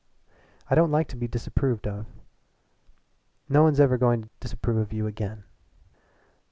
"I don't like to be disapproved of." "No one's ever going to disapprove of you again."